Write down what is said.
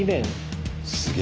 すげえ。